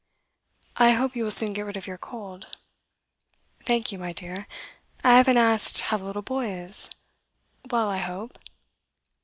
'I hope you will soon get rid of your cold.' 'Thank you, my dear. I haven't asked how the little boy is. Well, I hope?